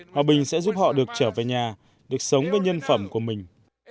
hòa bình sẽ giúp họ được trở về nhà được sống với nhân phẩm của mình